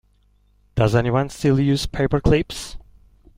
Does anyone still use paper clips?